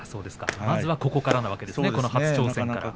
まずはここからのわけですね、この初挑戦が。